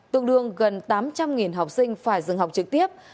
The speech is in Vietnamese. tương đương gần tám trăm linh học sinh phải dừng học trực tiếp